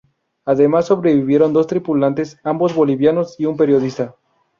Además sobrevivieron dos tripulantes, ambos bolivianos, y un periodista.